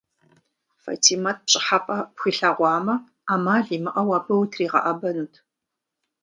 Фэтимэт пщӏыхьэпэ пхуилъагъуамэ, ӏэмал имыӏэу абы утригъэӏэбэнут.